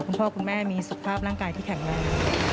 คุณพ่อคุณแม่มีสุขภาพร่างกายที่แข็งแรง